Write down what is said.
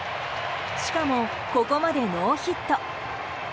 しかも、ここまでノーヒット。